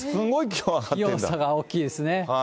気温差が大きいですね。